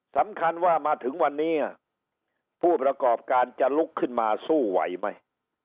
สำคัญว่ามาถึงวันนี้ผู้ประกอบการจะลุกขึ้นมาสู้ไหวไหม